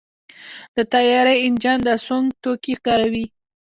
د طیارې انجن د سونګ توکي کاروي.